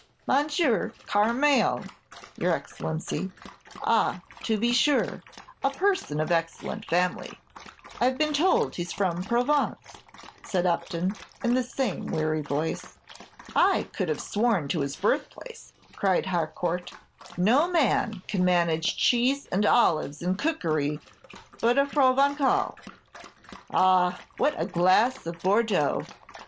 "Monsieur Carmael, your Excellency." "Ah, to be sure; a person of excellent family. I've been told he's from Provence," said Upton, in the same weary voice. "I could have sworn to his birthplace," cried Harcourt; "no man can manage cheese and olives in cookery but a Provençal. Ah, what a glass of Bordeaux!